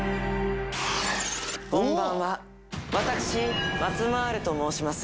こんばんは私マツマルと申します